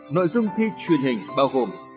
nội dung thi truyền hình bao gồm